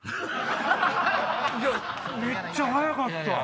めっちゃ早かった！